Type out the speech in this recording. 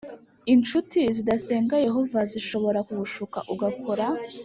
incuti zidasenga Yehova zishobora kugushuka ugakora